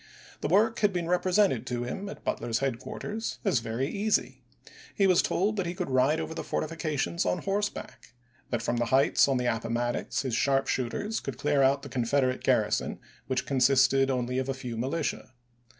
The work had been represented to him at Butler's headquarters as very easy; he was told that " he could ride over the fortifications on horse back";1 that from the heights on the Appomattox his sharp shooters could clear out the Confederate garrison, which consisted only of a few militia.